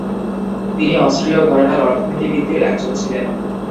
তিনি অস্ট্রীয় ঘরানার অর্থনীতিবিদদের একজন ছিলেন।